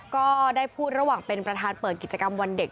ก็ได้พูดระหว่างเป็นประธานเปิดกิจกรรมวันเด็ก